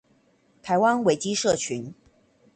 台灣維基社群